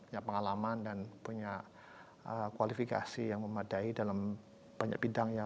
punya pengalaman dan punya kualifikasi yang memadai dalam banyak bidang ya